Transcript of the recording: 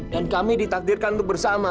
dan kami ditakdirkan untuk bersama